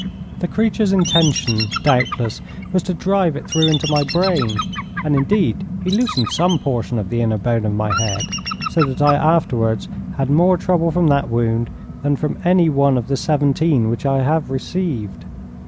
The creature's intention, doubtless, was to drive it through into my brain, and indeed he loosened some portion of the inner bone of my head, so that I afterwards had more trouble from that wound than from any one of the seventeen which I have received.